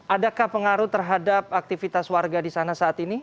adakah pengaruh terhadap aktivitas warga di sana saat ini